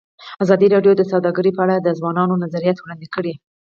ازادي راډیو د سوداګري په اړه د ځوانانو نظریات وړاندې کړي.